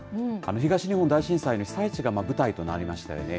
東日本大震災の被災地が舞台となりましたよね。